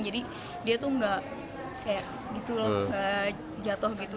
jadi dia tuh nggak kayak gitu loh nggak jatuh gitu